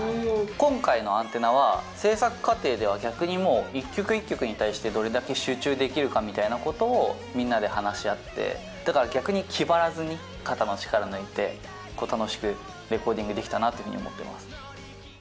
今回のアンテナは、制作過程では逆にもう、一曲一曲に対して、どれだけ集中できるかみたいなことを、みんなで話し合って、だから逆に気張らずに、肩の力抜いて、結構、楽しくレコーディングできたなと思ってます。